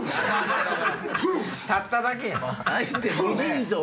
立っただけやん！